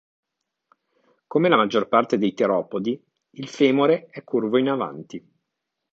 Come la maggior parte dei teropodi, il femore è curvo in avanti.